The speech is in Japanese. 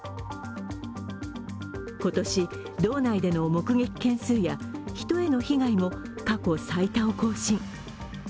今年、道内での目撃件数や人への被害も過去最多を更新。